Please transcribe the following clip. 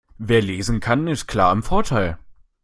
Wer lesen kann, ist klar im Vorteil.